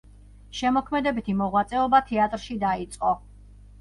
შემოქმედებითი მოღვაწეობა თეატრში დაიწყო.